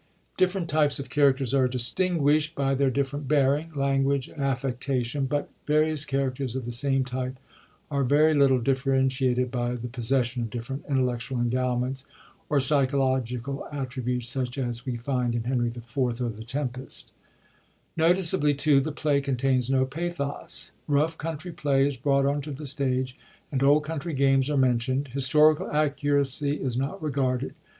Different types of characters are distinguisht by their different bearing, language and affectation, but various characters of the same type are very little differentiated by the possession of different intellectual endowments or psychological attributes, such as we find in Henry IV. or The Tempest Noticeably, too, the play contains no pathos. Rough country play is brought on to the stage, and old country games are mentiond. Historical accuracy is not regarded.